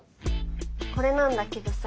これなんだけどさ。